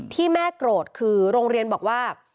ที่แม่โกรธคือโรงเรียนบอกว่า